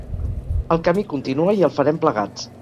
El camí continua i el farem plegats.